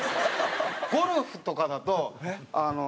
ゴルフとかだとあの。